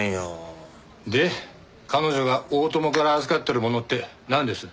で彼女が大友から預かってるものってなんです？